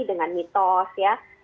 dengan mitos ya